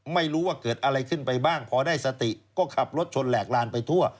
ไม่รู้ว่าเกิดอะไรขึ้นไปบ้างพอได้สติก็ขับรถชนแหลกลานไปทั่ว